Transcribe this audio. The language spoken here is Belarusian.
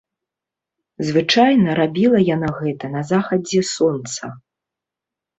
Звычайна рабіла яна гэта на захадзе сонца.